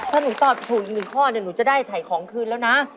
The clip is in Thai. ถ้าหนูตอบถูกอีกหนึ่งข้อเนี่ยหนูจะได้ถ่ายของคืนแล้วนะ